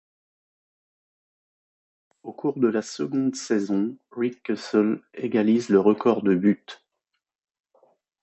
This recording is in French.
Au cours de la seconde saison, Rick Kessell égalise le record de but.